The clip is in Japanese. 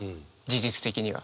事実的には。